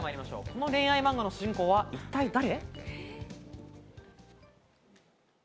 この恋愛漫画の主人公は一体誰？